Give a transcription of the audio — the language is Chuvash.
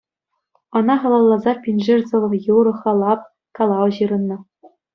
Ӑна халалласа пиншер сӑвӑ-юрӑ, халап, калав ҫырӑннӑ.